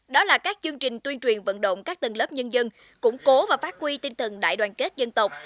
đó là các chương trình tuyên truyền vận động các tầng lớp nhân dân củng cố và phát huy tinh thần đại đoàn kết dân tộc